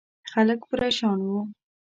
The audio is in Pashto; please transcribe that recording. خلک پرېشان وو.